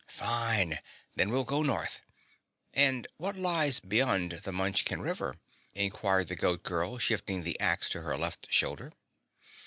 "Fine! Then we'll go North. And what lies beyond the Munchkin River?" inquired the Goat Girl, shifting the axe to her left shoulder.